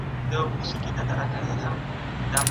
د زاني د ژوند حق پای ته رسېږي.